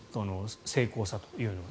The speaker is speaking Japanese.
精巧さというのが。